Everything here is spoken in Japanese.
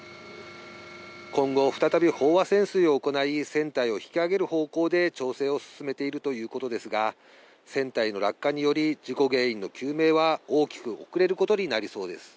今後、再び飽和潜水を行い、船体を引き揚げる方向で調整を進めているということですが、船体の落下により、事故原因の究明は大きく遅れることになりそうです。